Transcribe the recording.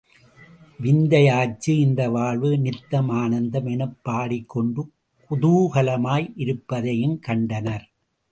விந்தை யாச்சு இந்த வாழ்வு நித்தம் ஆனந்தம்! எனப் பாடிக் கொண்டு குதூகலமாய் இருப்பதையுங் கண்டனர்.